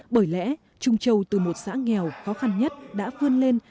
bởi lẽ trung châu từ một xã nghèo khó khăn nhất đã vươn lên